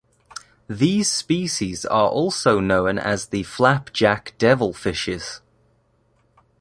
These species are also known as the flapjack devilfishes.